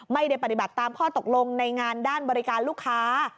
ไม่ได้ปฏิบัติตามข้อตกลงในงานด้านบริการลูกค้า